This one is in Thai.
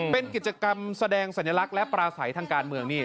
เป็นกิจกรรมแสดงสัญลักษณ์และปราศัยทางการเมืองนี่